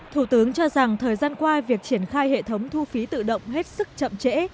thủ tướng cho rằng thời gian qua việc triển khai hệ thống thu phí tự động hết sức chậm trễ